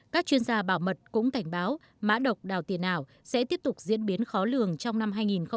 các chuyên gia bảo mật cũng cảnh báo mã độc đào tiền ảo sẽ tiếp tục diễn biến khó lường trong năm hai nghìn hai mươi